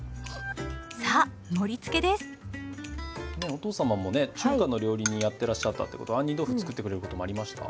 お父様もね中華の料理人やってらっしゃったってことは杏仁豆腐作ってくれることもありました？